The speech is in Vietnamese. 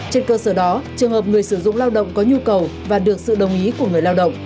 trên cơ sở đó trường hợp người sử dụng lao động có nhu cầu và được sự đồng ý của người lao động